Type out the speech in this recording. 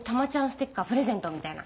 ステッカープレゼント！みたいな。